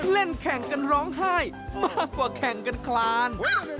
เล่นแข่งกันร้องไห้มากกว่าแข่งกันคลาน